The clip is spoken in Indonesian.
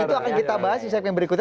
itu akan kita bahas di segmen berikutnya